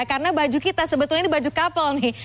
karena baju kita sebetulnya ini baju kapel nih